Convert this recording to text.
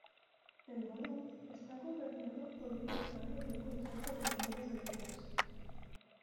El borough está gobernado por un alcalde y un consejo de nueve miembros.